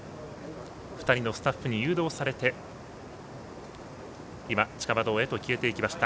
２人のスタッフに誘導されて今、地下馬道へと消えていきました。